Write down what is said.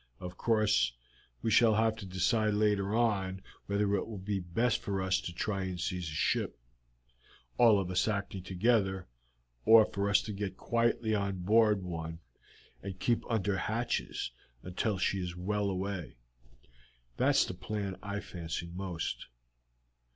Of course, we shall have to decide later on whether it will be best for us to try and seize a ship, all of us acting together, or for us to get quietly on board one and keep under hatches until she is well away. That is the plan I fancy most."